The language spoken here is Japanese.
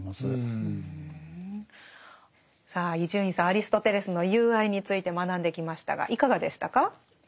アリストテレスの「友愛」について学んできましたがいかがでしたか？